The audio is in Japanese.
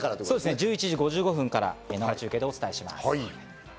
１１時５５分から生中継でお伝えします。